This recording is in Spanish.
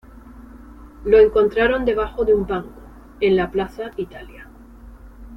Lo encontraron debajo de un banco, en la Plaza Italia.